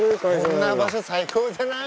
こんな場所最高じゃない？